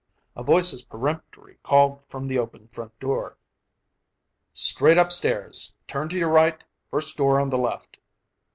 a voice as peremptory called from the open front door, "Straight upstairs; turn to your right, first door on the left."